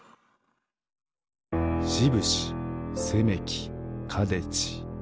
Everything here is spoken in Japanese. しぶしせめきかでち。